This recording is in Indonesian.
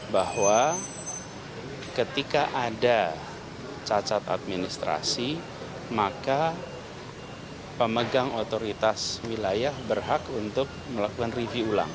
bahwa ketika ada cacat administrasi maka pemegang otoritas wilayah berhak untuk melakukan review ulang